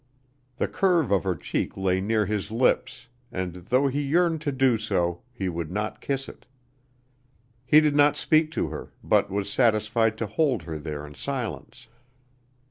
The curve of her cheek lay near his lips and, though he yearned to do so, he would not kiss it. He did not speak to her, but was satisfied to hold her there in silence.